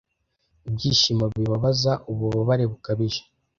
Ibyishimo bibabaza, ububabare bukabije.